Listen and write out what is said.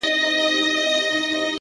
• ویل ښکلي کوچېدلي ویل وچ دي ګودرونه ,